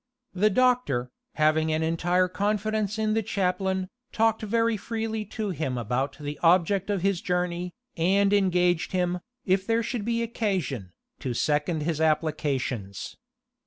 The doctor, having an entire confidence in the chaplain, talked very freely to him about the object of his journey, and engaged him, if there should be occasion, to second his applications.